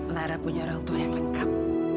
lara punya orang tua yang lengkap